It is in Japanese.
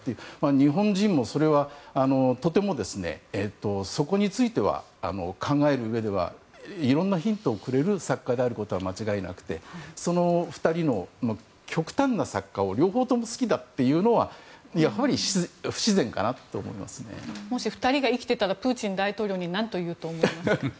日本人も、とてもそこについては考えるうえではいろいろなヒントをくれる作家なのは間違いなくてその２人の極端な作家を両方とも好きだというのはもし２人が生きていたらプーチン大統領に何と言うと思いますか？